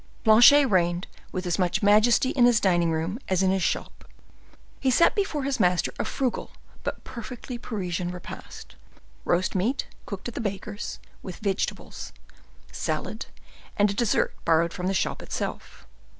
Planchet reigned with as much majesty in his dining room as in his shop. He set before his master a frugal, but perfectly Parisian repast: roast meat, cooked at the baker's, with vegetables, salad, and a dessert borrowed from the shop itself.